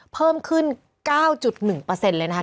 เพิ่มขึ้น๙๑เลยนะคะ